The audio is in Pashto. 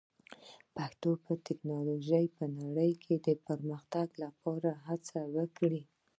پښتو باید د ټکنالوژۍ په نړۍ کې د پرمختګ لپاره هڅه وکړي.